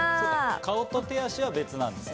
顔と手足は別なんですね。